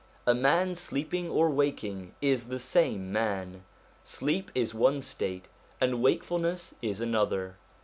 A man sleeping or waking is the same man ; sleep is one state, and wakefulness is another.